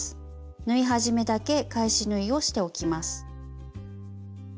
縫い始めだけ返し縫いをしておきます。